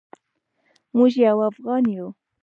موږ یو افغان یو.